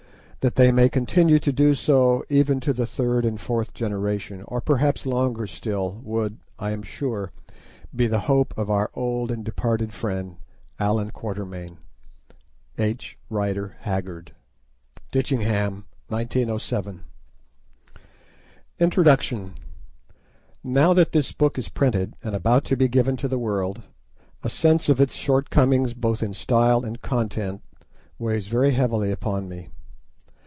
That they may continue so to do, even to the third and fourth generation, or perhaps longer still, would, I am sure, be the hope of our old and departed friend, Allan Quatermain. H. Rider Haggard. Ditchingham, 1907. INTRODUCTION Now that this book is printed, and about to be given to the world, a sense of its shortcomings both in style and contents, weighs very heavily upon me.